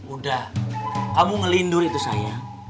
udah kamu ngelindur itu saya